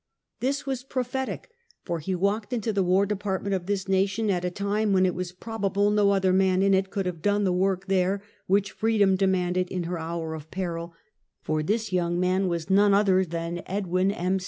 This was prophetic, for he walked into the War De partment of this nation at a time when it is probable no other man in it, could have done the work there which freedom demanded in her hour of peril, for this young man was none other than Edwin M.